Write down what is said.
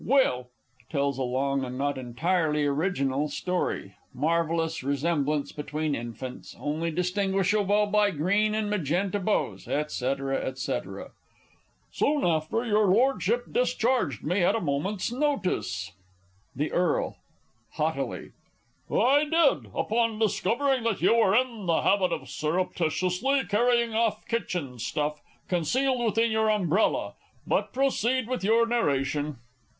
Well (_tells a long, and not entirely original, story; marvellous resemblance between infants, only distinguishable by green and magenta bows, &c., &c._) Soon after, your Lordship discharged me at a moment's notice The Earl (haughtily). I did, upon discovering that you were in the habit of surreptitiously carrying off kitchen stuff, concealed within your umbrella. But proceed with your narration.